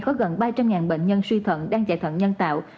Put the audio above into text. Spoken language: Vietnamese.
có gần ba trăm linh bệnh nhân suy thận đang chạy thận nhân tạo